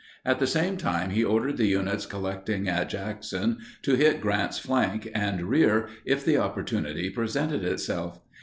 At the same time he ordered the units collecting at Jackson to hit Grant's flank and rear if the opportunity presented itself.